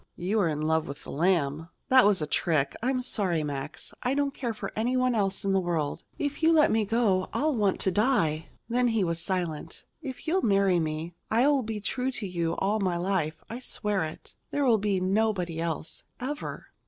"You are in love with the Lamb!" "That was a trick. I'm sorry, Max. I don't care for anyone else in the world. If you let me go I'll want to die." Then, as he was silent: "If you'll marry me, I'll be true to you all my life. I swear it. There will be nobody else, ever."